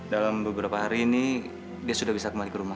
dalam beberapa hari ini dia sudah bisa kembali ke rumah